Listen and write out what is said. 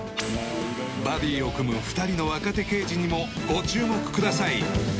バディを組む２人の若手刑事にもご注目ください